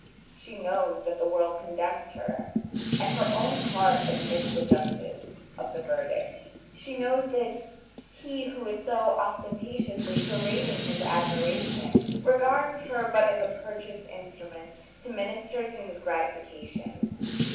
She knows that the world condemns her, and her own heart admits the justice of the verdict. She knows that he who is so ostentatiously parading his admiration regards her but as a purchased instrument to minister to his gratification.